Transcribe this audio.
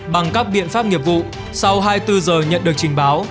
bằng các biện pháp nghiệp vụ sau hai mươi bốn giờ nhận được trình báo